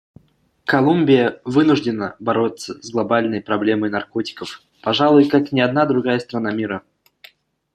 Колумбия вынуждена бороться с глобальной проблемой наркотиков, пожалуй, как ни одна другая страна мира.